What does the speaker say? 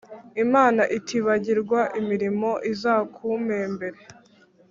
Imana itibagirwa imirimo izakumpembere